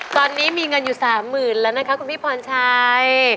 ตอนนี้มีเงินอยู่๓๐๐๐๐บาทแล้วนะครับคุณพี่ป้อนชัย